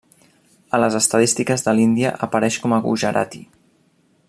A les estadístiques de l'Índia apareix com a Gujarati.